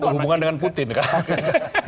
hubungan dengan putin kan